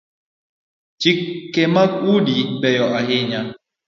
Chike mag udi beyo ahinya